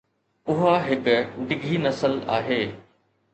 اها هڪ ڊگهي نسل آهي.